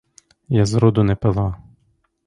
Я зроду не пила.